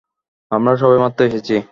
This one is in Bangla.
আমরা সবে মাত্র এসেছি।